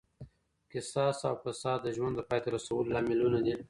قصاص او فساد د ژوند د پای ته رسولو لاملونه دي.